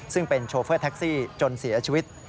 ซึ่งเป็นโชเฟอร์แท็กซี่จนเสียชีวิต